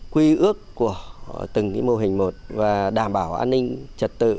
quy ước của từng mô hình một và đảm bảo an ninh trật tự